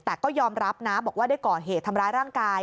แต่ก็ยอมรับนะบอกว่าได้ก่อเหตุทำร้ายร่างกาย